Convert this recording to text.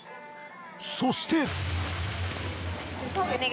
そして。